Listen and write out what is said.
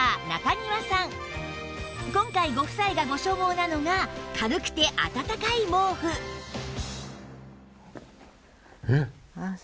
今回ご夫妻がご所望なのが軽くて暖かい毛布えっ！